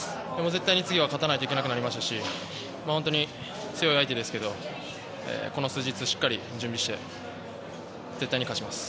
絶対に次は勝たないといけなくなりましたし本当に強い相手ですがこの数日しっかり準備して絶対に勝ちます。